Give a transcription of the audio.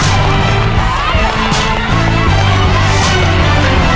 สวัสดีครับ